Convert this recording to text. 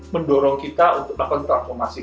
mendorong kita untuk melakukan transformasi